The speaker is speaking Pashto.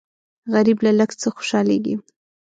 غریب له لږ څه خوشالېږي